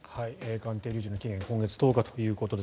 鑑定留置の期限が今月１０日ということです。